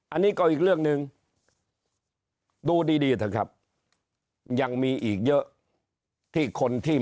อันนี้ก็อีกเรื่องหนึ่งดูดีดีเถอะครับยังมีอีกเยอะที่คนที่